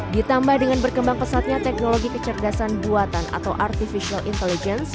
ditambah dengan berkembang pesatnya teknologi kecerdasan buatan atau artificial intelligence